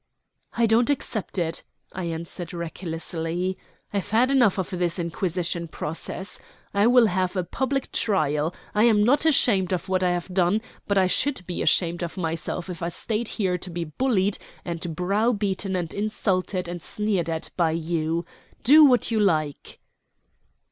"I don't accept it," I answered recklessly. "I've had enough of this Inquisition process. I will have a public trial. I am not ashamed of what I have done; but I should be ashamed of myself if I stayed here to be bullied and browbeaten and insulted and sneered at by you. Do what you like."